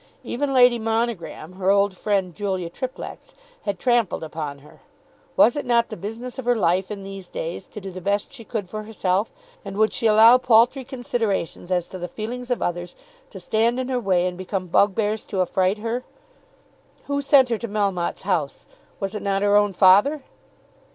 Even Lady Monogram, her old friend Julia Triplex, had trampled upon her. Was it not the business of her life, in these days, to do the best she could for herself, and would she allow paltry considerations as to the feelings of others to stand in her way and become bugbears to affright her? Who sent her to Melmotte's house? Was it not her own father?